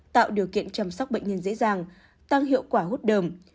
tạo điều kiện chăm sóc bệnh nhân dễ dàng tăng hiệu quả hút đờm